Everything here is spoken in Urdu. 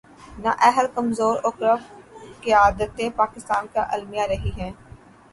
نا اہل‘ کمزور اور کرپٹ قیادتیں پاکستان کا المیہ رہی ہیں۔